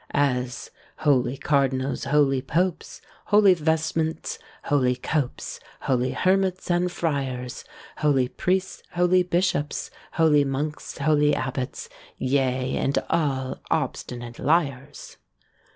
As holy cardinals, holy popes, Holy vestments, holy copes, Holy hermits, and friars, Holy priests, holy bishops, Holy monks, holy abbots, Yea, and all obstinate liars.